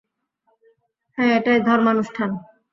হ্যা, এটাই ধর্মানুষ্টান।